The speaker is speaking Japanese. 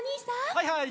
はいはい！